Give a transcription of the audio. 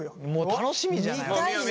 楽しみじゃない？